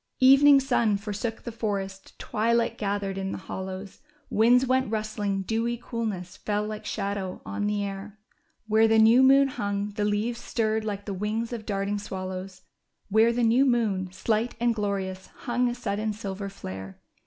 143 Evening sun forsook the forest, twilight gathered in the hollows ; Winds went rustling, dewy coolness fell like shadow on the air ; Where the new moon hung, the leaves stirred like the wdngs of darting swallows ; Where the new moon, slight and glorious, hung a sud den silver flare.